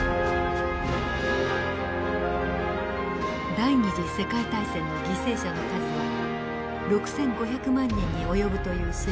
第二次世界大戦の犠牲者の数は６，５００万人に及ぶという推計があります。